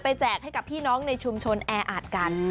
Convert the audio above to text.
แจกให้กับพี่น้องในชุมชนแออัดกัน